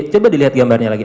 coba dilihat gambarnya lagi